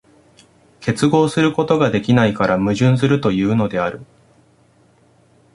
結合することができないから矛盾するというのである。